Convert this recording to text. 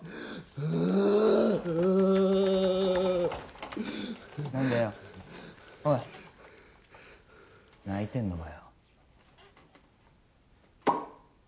ううっうう何だよおい泣いてんのかよ